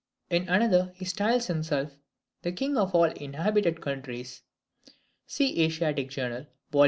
In another, he styles himself "the king of all inhabited countries." (See "Asiatic Journal" vol.